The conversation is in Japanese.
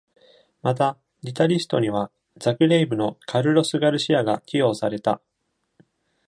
また、ギタリストにはザクレイブのカルロスガルシアが起用された。